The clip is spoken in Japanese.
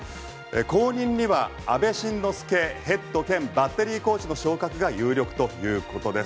後任には阿部慎之助ヘッド兼バッテリーコーチの昇格が有力ということです。